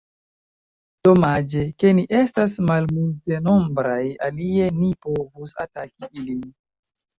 Domaĝe, ke ni estas malmultenombraj, alie ni povus ataki ilin!